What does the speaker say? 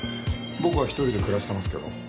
僕は一人で暮らしてますけど。